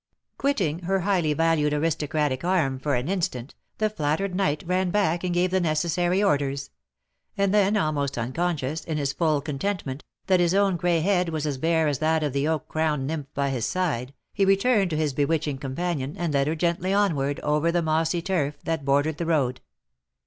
Quitting her highly valued aristocratic arm for an instant, the flattered knight ran back and gave the necessary orders ; and then, almost unconscious, in his full contentment, that his own gray head was as bare as that of the oak crowned nymph by his side, he re turned to his bewitching companion and led her gently onward over the mossy turf that bordered the road.